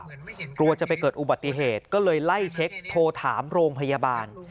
กลัวจะไปเกิดอุบัติเหตุก็เลยไล่เช็คโทรถามโรงพยาบาล